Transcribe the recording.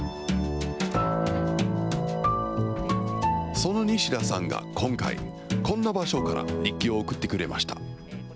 その西田さんが、今回、こんな場所から日記を送ってくれました。